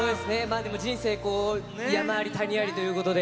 人生山あり谷ありということで。